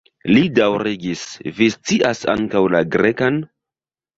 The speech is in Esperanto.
Li daŭrigis: "Vi scias ankaŭ la Grekan?"